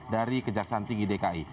dari kejaksaan tinggi dki